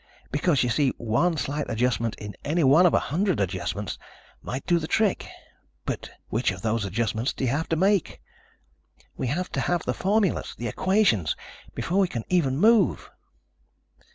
Because, you see, one slight adjustment in any one of a hundred adjustments might do the trick ... but which of those adjustments do you have to make? We have to have the formulas, the equations, before we can even move."